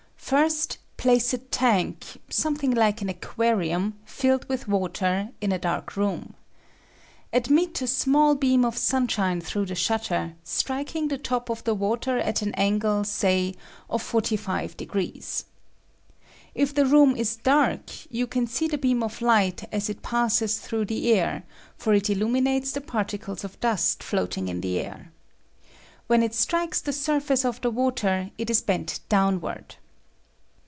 First, place a tank, something like an aquarium, filled with water, in a dark room. Admit a small beam of sunshine through the shutter, ^striking the top of the water at an angle, say, of 45 degrees. If the room is dark you can see the beam of light as it passes through the air, for it illuminates the parti cles of dust floating in the air. When it strikes the surface of the water it is bent downward.